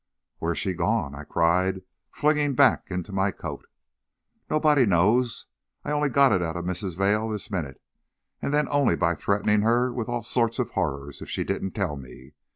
"Where's she gone?" I cried, flinging back into my coat. "Nobody knows. I only got it out of Mrs. Vail this minute, and then only by threatening her with all sorts of horrors if she didn't tell me.